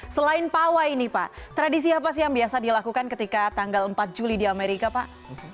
selain pawai ini pak tradisi apa sih yang biasa dilakukan ketika tanggal empat juli di amerika pak